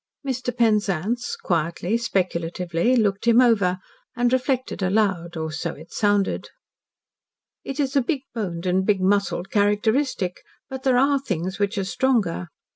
Mr. Penzance quietly, speculatively, looked him over, and reflected aloud or, so it sounded. "It is a big boned and big muscled characteristic, but there are things which are stronger.